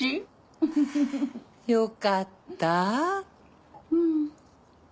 よかった。